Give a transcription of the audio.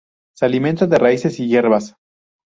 Se alimenta de raíces y hierbas.